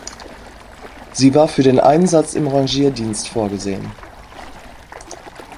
Sie war für den Einsatz im Rangierdienst vorgesehen.